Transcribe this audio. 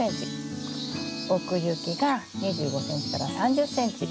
奥行きが２５ｃｍ３０ｃｍ。